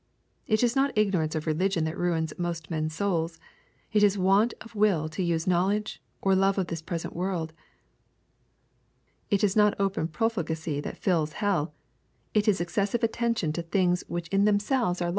— It is not ignorance of religion that ruins most men's souls. It is want of will to use knowledge, or love of this present world. — It is not open profligacy that fills hell. It is excessive, attention to things which in themselves are 162 EXPOSITORY THOUGHTS.